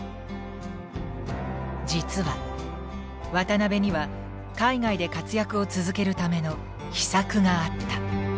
実は渡辺には海外で活躍を続けるための秘策があった。